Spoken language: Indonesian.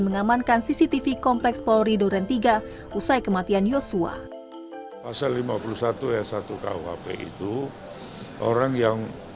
mengamankan cctv kompleks polri duren tiga usai kematian yosua pasal lima puluh satu s satu kuhp itu orang yang